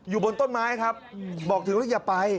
อยู่บนต้นไม้ครับบอกถึงว่าอย่าไป